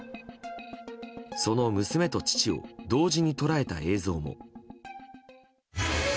その娘と父を同時に捉えた映像も。